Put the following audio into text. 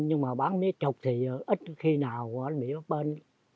nhưng mà bán mía trục thì ít khi nào nó bị bấp bên